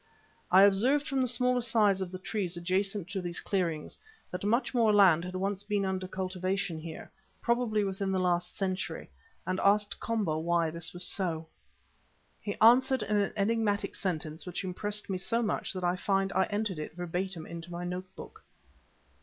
I observed from the smaller size of the trees adjacent to these clearings, that much more land had once been under cultivation here, probably within the last century, and asked Komba why this was so. He answered in an enigmatic sentence which impressed me so much that I find I entered it verbatim in my notebook.